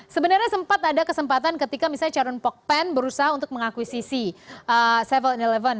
sebenarnya sempat ada kesempatan ketika misalnya charon pogpeng berusaha untuk mengakuisisi several in eleven